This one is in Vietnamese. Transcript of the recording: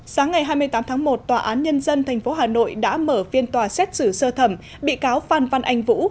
sáng ngày hai mươi tám tháng một tòa án nhân dân tp hà nội đã mở phiên tòa xét xử sơ thẩm bị cáo phan văn anh vũ